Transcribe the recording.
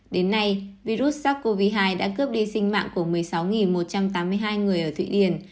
đến nay virus sars cov hai đã cướp đi sinh mạng của một mươi sáu một trăm tám mươi hai người ở thụy điển